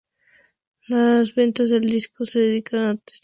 Las ventas del disco se dedican a esta campaña.